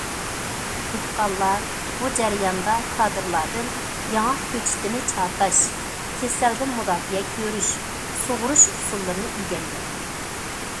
دېھقانلار بۇ جەرياندا كادىرلاردىن ياڭاق كۆچىتىنى چاتاش، كېسەلدىن مۇداپىئە كۆرۈش، سۇغىرىش ئۇسۇللىرىنى ئۆگەنگەن.